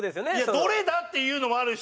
「どれだ？」っていうのもあるし。